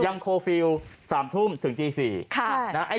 เคอร์ฟิลล์๓ทุ่มถึงตี๔